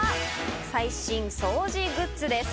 最新掃除グッズです。